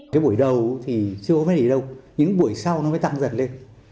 chưa có phải để đâu những buổi sau nó mới tăng dần lên